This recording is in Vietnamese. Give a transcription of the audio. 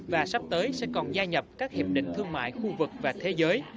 và sắp tới sẽ còn gia nhập các hiệp định thương mại khu vực và thế giới